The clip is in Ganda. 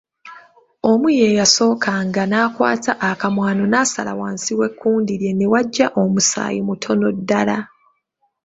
Omu ye yasookanga n’akwata akamwano n’asala wansi w’ekkundi lye ne wajja omusaayi mutono ddala.